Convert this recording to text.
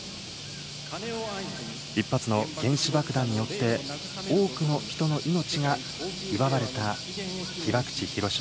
１発の原子爆弾によって、多くの人の命が奪われた被爆地、広島。